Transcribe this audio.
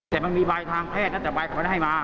แต่มันมีใบทางแพทย์น่าจะใบของมันให้มา